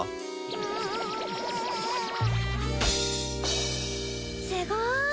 うんすごーい！